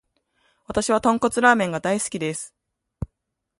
わたしは豚骨ラーメンが大好きです。